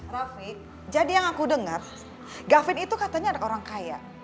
raffi jadi yang aku dengar gavin itu katanya ada orang kaya